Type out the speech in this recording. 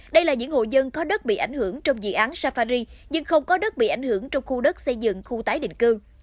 đây là những hộ dân có đất bị ảnh hưởng trong dự án safari nhưng không có đất bị ảnh hưởng trong khu đất xây dựng khu tái định cư